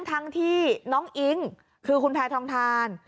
ทั้งที่น้องอิ๊งคือคุณแพทองทาน